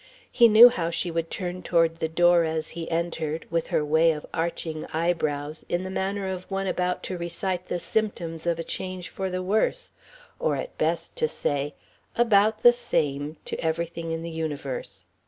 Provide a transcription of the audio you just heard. He knew how she would turn toward the door as he entered, with her way of arching eyebrows, in the manner of one about to recite the symptoms of a change for the worse or at best to say "about the same" to everything in the universe.